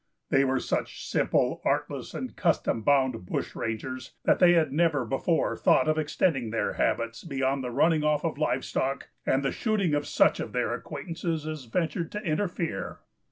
They were such simple, artless, and custom bound bush rangers that they had never before thought of extending their habits beyond the running off of live stock and the shooting of such of their acquaintances as ventured to interfere.